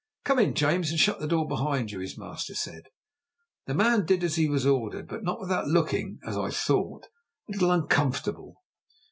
"Come in, James, and shut the door behind you," his master said. The man did as he was ordered, but not without looking, as I thought, a little uncomfortable.